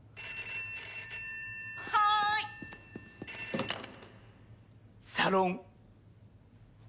はーい！サロン。